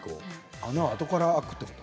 穴はあとから開くということ？